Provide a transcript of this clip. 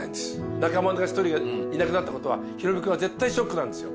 仲間の１人がいなくなったことは、ヒロミ君は絶対ショックなんですよ。